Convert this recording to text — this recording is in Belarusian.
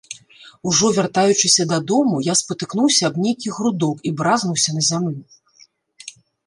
Ужо вяртаючыся дадому, я спатыкнуўся аб нейкі грудок і бразнуўся на зямлю.